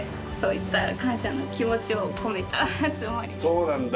そうなんだ。